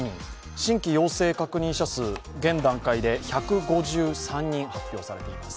新規陽性確認者数、現段階で１５３人発表されています。